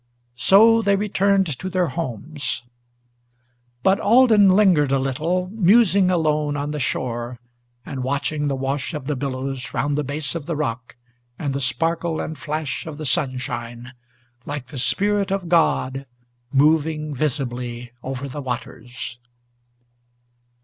So they returned to their homes; but Alden lingered a little, Musing alone on the shore, and watching the wash of the billows Round the base of the rock, and the sparkle and flash of the sunshine, Like the spirit of God, moving visibly over the waters.